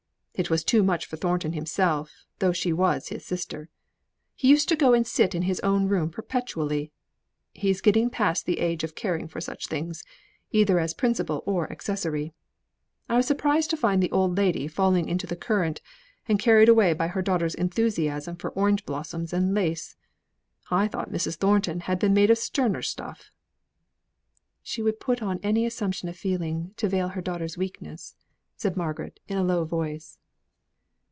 It was too much for Thornton himself, though she was his sister. He used to go and sit in his own room perpetually. He's getting past the age for caring for such things, either as principal or accessory. I was surprised to find the old lady falling into the current, and carried away by her daughter's enthusiasm for orange blossoms and lace. I thought Mrs. Thornton had been made of sterner stuff." "She would put on any assumption of feeling to veil her daughter's weakness," said Margaret in a low voice.